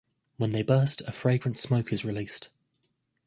When they burst a fragrant smoke is released.